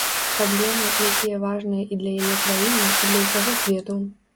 Праблемы, якія важныя і для яе краіны, і для ўсяго свету.